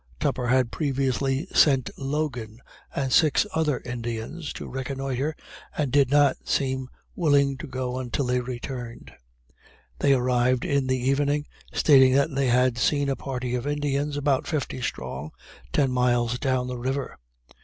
Tupper had previously sent Logan and six other Indians to reconnoiter, and did not seem willing to go until they returned. They arrived in the evening, stating that they had seen a party of Indians, about fifty strong, ten miles down the river.